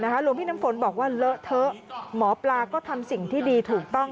หลวงพี่น้ำฝนบอกว่าเลอะเทอะหมอปลาก็ทำสิ่งที่ดีถูกต้อง